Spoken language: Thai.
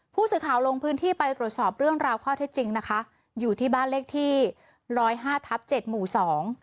ผู้สื่อข่าวลงพื้นที่ไปตรวจสอบเรื่องราวข้อเท็จจริงนะคะอยู่ที่บ้านเลขที่ร้อยห้าทับเจ็ดหมู่สอง